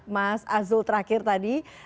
mas azul terakhir tadi